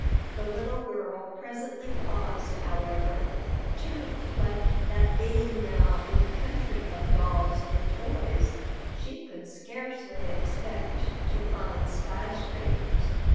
The little girl presently paused, however, to reflect that being now in the country of dolls and toys, she could scarcely expect to find sky scrapers.